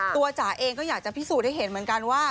จ๋าเองก็อยากจะพิสูจน์ให้เห็นเหมือนกันว่า